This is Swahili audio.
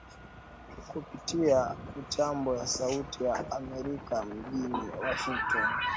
kupitia mitambo ya Sauti ya Amerika mjini Washington